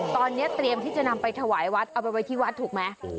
ตอนนี้เตรียมที่จะนำไปถวายวัดเอาไปไว้ที่วัดถูกไหม